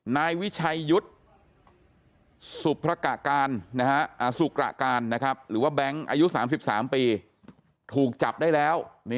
นายวิชัยยุทธ์สุภกะการสุกระการหรือว่าแบงค์อายุ๓๓ปีถูกจับได้แล้ว